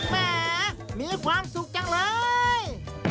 แหมมีความสุขจังเลย